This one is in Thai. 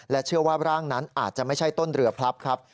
เชื่อว่าร่างนั้นอาจจะไม่ใช่ต้นเรือพลับครับ